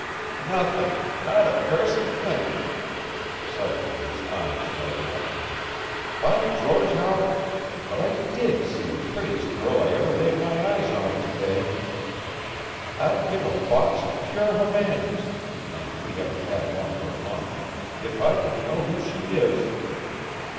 "Nothing not a cursed thing." Suddenly his eyes lighted up. "By George, Howland, but I did see the prettiest girl I ever laid my eyes on to day! I'd give a box of pure Havanas and we haven't had one for a month! if I could know who she is!"